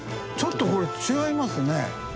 ちょっとこれ違いますね。